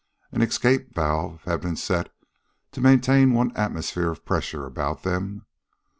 An escape valve had been set to maintain one atmosphere of pressure about them.